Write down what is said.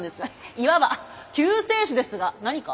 いわば救世主ですが何か？